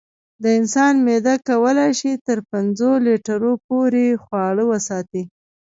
د انسان معده کولی شي تر پنځو لیټرو پورې خواړه وساتي.